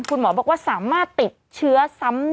คุณหมอบอกว่าสามารถติดเชื้อซ้ำ